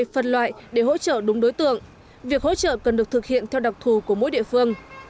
phân loại để hỗ trợ đúng đối tượng việc hỗ trợ cần được thực hiện theo đặc thù của mỗi địa phương